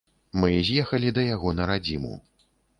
Мы з'ехалі да яго на радзіму.